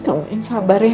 kamu yang sabar ya